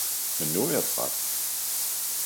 Men nu er jeg træt!